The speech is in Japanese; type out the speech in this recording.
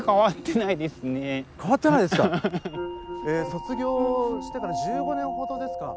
卒業してから１５年ほどですか？